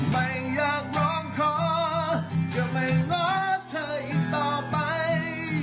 ไม่อยากร้องขอจะไม่รักเธออีกต่อไป